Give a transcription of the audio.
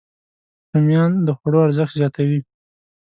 رومیان د خوړو ارزښت زیاتوي